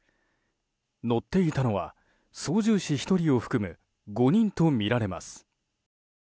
乗っていたのは操縦士１人を含む５人とみられます。